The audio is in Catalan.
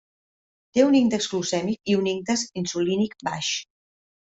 Té un índex glucèmic i un índex insulínic baix.